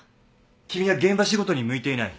君は現場仕事に向いていない。